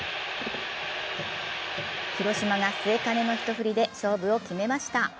広島が末包の一振りで勝負を決めました。